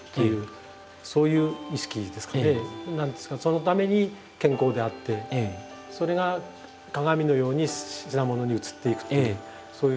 そのために健康であってそれが鏡のように品物に映っていくというそういう。